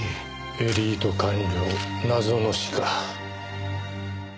エリート官僚謎の死か。